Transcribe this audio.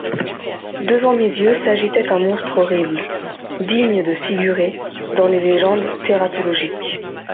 Devant mes yeux s'agitait un monstre horrible, digne de figurer dans les légendes tératologiques.